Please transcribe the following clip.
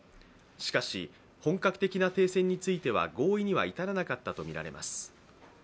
しかし、本格的な停戦については合意に至らなかったとみられます。